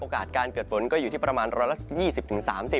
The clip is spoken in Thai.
โอกาสการเกิดผลก็อยู่ที่ประมาณ๑๒๐๓๐องศา